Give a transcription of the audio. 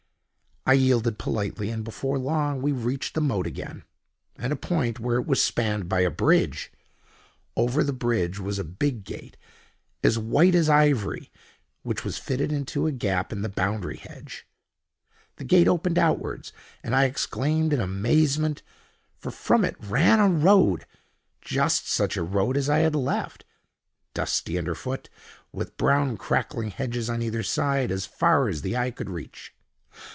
I yielded politely, and before long we reached the moat again, at a point where it was spanned by a bridge. Over the bridge was a big gate, as white as ivory, which was fitted into a gap in the boundary hedge. The gate opened outwards, and I exclaimed in amazement, for from it ran a road—just such a road as I had left—dusty under foot, with brown crackling hedges on either side as far as the eye could reach.